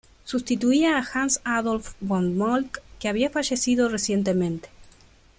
Sustituía a Hans-Adolf von Moltke, que había fallecido recientemente.